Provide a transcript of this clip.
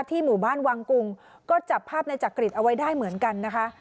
หมู่บ้านวังกุงก็จับภาพในจักริตเอาไว้ได้เหมือนกันนะคะ